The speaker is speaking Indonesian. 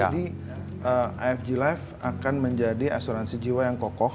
jadi afg life akan menjadi asuransi jiwa yang kokoh